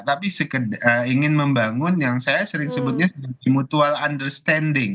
tapi ingin membangun yang saya sering sebutnya sebagai mutual understanding